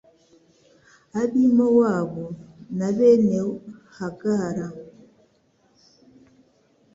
ab’i Mowabu na bene Hagara